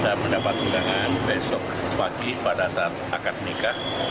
saya mendapat undangan besok pagi pada saat akad nikah